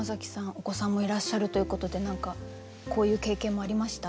お子さんもいらっしゃるということで何かこういう経験もありました？